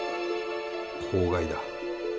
公害だ。